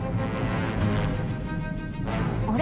あれ？